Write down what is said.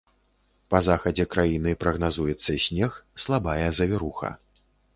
Па захадзе краіны прагназуецца снег, слабая завіруха.